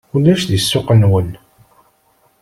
Ulac di ssuq-nwen!